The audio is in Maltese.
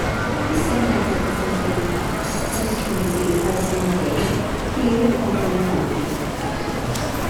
Is-sentenza ta' sentejn ħabs sospiżi għal sentejn kienu kkonfermati.